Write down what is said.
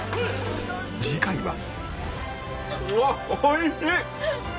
次回は。